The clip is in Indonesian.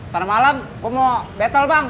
tanah malam gue mau battle bang